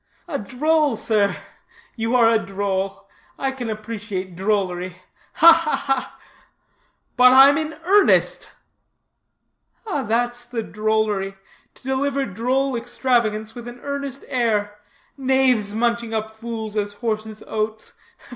"A droll, sir; you are a droll. I can appreciate drollery ha, ha, ha!" "But I'm in earnest." "That's the drollery, to deliver droll extravagance with an earnest air knaves munching up fools as horses oats.